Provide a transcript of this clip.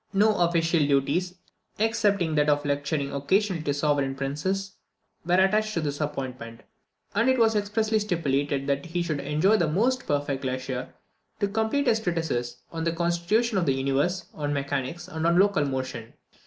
No official duties, excepting that of lecturing occasionally to sovereign princes, were attached to this appointment; and it was expressly stipulated that he should enjoy the most perfect leisure to complete his treatises on the constitution of the universe, on mechanics, and on local motion.